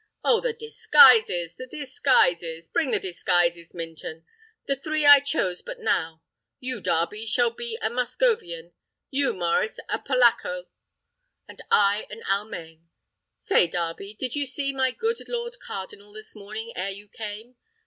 Oh, the disguises! the disguises! Bring the disguises, Minton; the three I chose but now. You, Darby, shall be a Muscovian; you, Maurice, a Polacco; and I an Almaine. Say, Darby, did you see my good lord cardinal this morning ere you came?